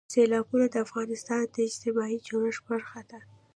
سیلابونه د افغانستان د اجتماعي جوړښت برخه ده.